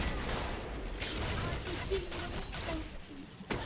Po velkém úspěchu zveřejnil jednotlivě veškeré skladby v plné délce na iTunes.